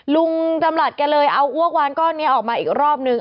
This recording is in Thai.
ลุงจำหลัดแกเลยเอาอ้วกวานก้อนนี้ออกมาอีกรอบนึง